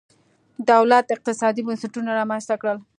دولت اقتصادي بنسټونه رامنځته کړل.